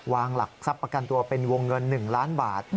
หลักทรัพย์ประกันตัวเป็นวงเงิน๑ล้านบาท